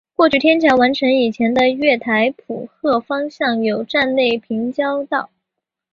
过去天桥完成以前的月台浦贺方向有站内平交道。